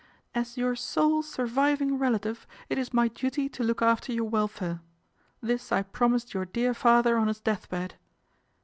" As your sole surviving relative, it is my duty to look after your welfare. This I promised your dear father on his death bed.